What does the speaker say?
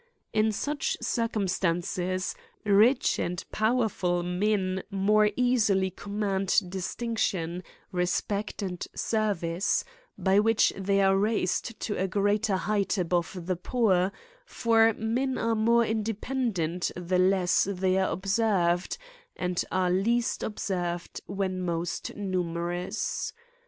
In such circumstances, rich and powerful men more easily command distinction, respect, and service, by which they are raised to a greater height above the poor ; for men are more independent the less they are observed, and are least observed when most numerous.